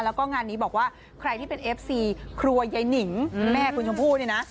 แล้วก็งานนี้บอกว่าใครที่เป็นเอฟซีครัวยายนิงแม่คุณชมพู่เนี่ยนะ